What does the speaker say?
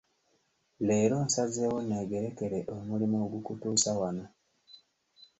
Leero nsazeewo neegerekere omulimu okugutuusa wano.